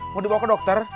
mau dibawa ke dokter